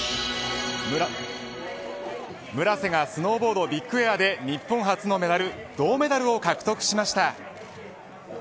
村瀬がスノーボードビッグエアで日本初のメダル銅メダルを獲得しました。